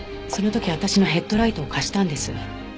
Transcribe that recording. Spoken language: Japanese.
その時私のヘッドライトを貸したんです。